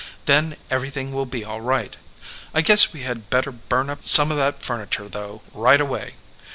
Then everything will be all right. I guess we had better burn up some of that furniture, though, right away!"